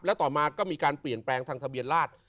แล้วต่อมาก็มีการเปลี่ยนแปลงทางทะเบียนราช